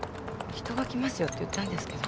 人が来ますよ」って言ったんですけど。